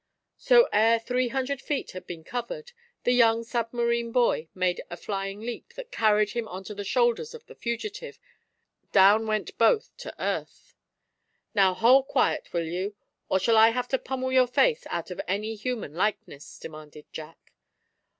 So, ere three hundred feet had been covered, the young submarine boy made a flying leap that carried him onto the shoulders of the fugitive down went both to earth. "Now, hold quiet, will you, or shall I have to pummel your face out of any human likeness?" demanded Jack.